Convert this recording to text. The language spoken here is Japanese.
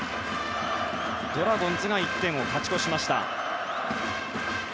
ドラゴンズが１点を勝ち越しました。